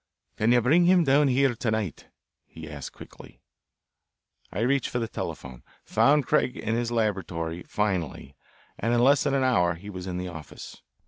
"Can you bring him down here to night?" he asked quickly. I reached for the telephone, found Craig in his laboratory finally, and in less than an hour he was in the office.